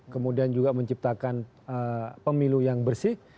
kemudian juga menciptakan pemilu yang bersih